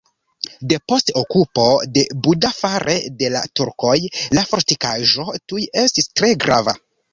Depost okupo de Buda fare de la turkoj la fortikaĵo tuj estis tre grava.